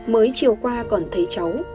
mới chiều qua còn thấy cháu